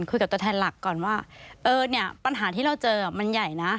ตัวแทนหลักก่อนว่าเออเนี่ยปัญหาที่เราเจอมันใหญ่นะ